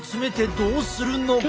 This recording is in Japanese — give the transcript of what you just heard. どうするの？